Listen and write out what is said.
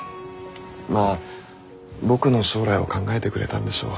まあ僕の将来を考えてくれたんでしょう。